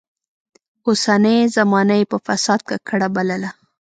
اوسنۍ زمانه يې په فساد ککړه بلله.